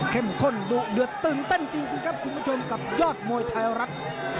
ข้นดุเดือดตื่นเต้นจริงครับคุณผู้ชมกับยอดมวยไทยรัฐ